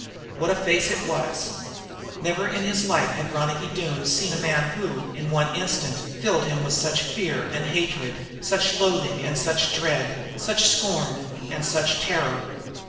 What a face it was! Never in his life had Ronicky Doone seen a man who, in one instant, filled him with such fear and hatred, such loathing and such dread, such scorn and such terror.